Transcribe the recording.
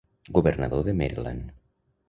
Governador de Maryland.